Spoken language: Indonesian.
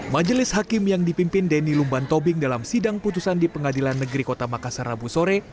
majelis hakim yang dipimpin denny lumban tobing dalam sidang putusan di pengadilan negeri kota makassar rabu sore